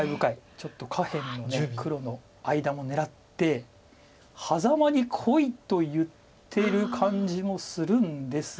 ちょっと下辺の黒の間も狙って「ハザマにこい」と言ってる感じもするんですが。